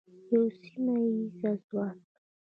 یو سیمه ییز ځواک.